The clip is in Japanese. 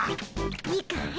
いいかい？